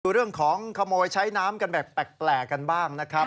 เรื่องของขโมยใช้น้ำกันแบบแปลกกันบ้างนะครับ